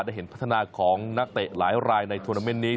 ได้เห็นพัฒนาของนักเตะหลายรายในทวนาเมนต์นี้